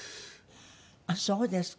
あっそうですか。